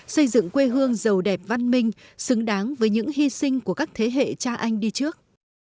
xây dựng quê hương giàu đẹp văn minh xứng đáng với những hy sinh của các thế hệ cha anh đi trước